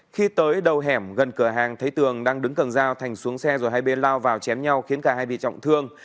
khi tới đầu hẻm gần cửa hàng thấy tường đang đứng cần dao thành xuống xe rồi hai bên lao vào chém nhau khiến cả hai bị trọng thương